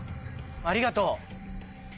ありがとう。